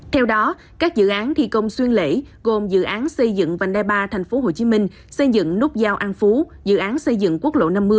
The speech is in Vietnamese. theo đó các dự án thi công xuyên lễ gồm dự án xây dựng vành đai ba tp hcm xây dựng nút giao an phú dự án xây dựng quốc lộ năm mươi